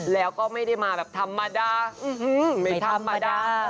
แล้วก็ไม่ได้มาแบบธรรมดาไม่ธรรมดา